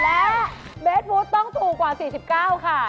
และเบสฟู้ดต้องถูกกว่า๔๙ค่ะ